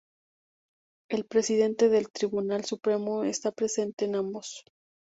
El Presidente del Tribunal Supremo está presente en ambos.